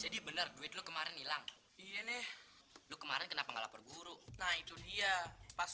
jadi bener duit lu kemarin hilang iya nih lu kemarin kenapa lapor guru nah itu dia pas